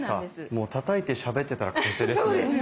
もうたたいてしゃべってたら完成ですね。